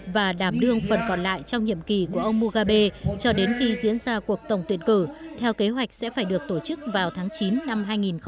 và đảm đương phần còn lại trong nhiệm kỳ của ông mohabe cho đến khi diễn ra cuộc tổng tuyển cử theo kế hoạch sẽ phải được tổ chức vào tháng chín năm hai nghìn hai mươi